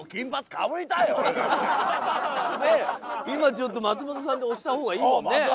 今ちょっと松本さんで押した方がいいもんね。